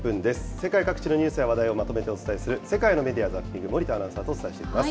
世界各地のニュースや話題をまとめてお伝えする、世界のメディア・ザッピング、森田アナウンサーとお伝えしていきます。